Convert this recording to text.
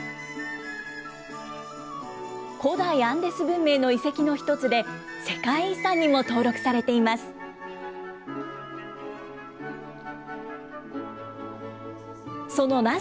古代アンデス文明の遺跡の一つで、世界遺産にも登録されています。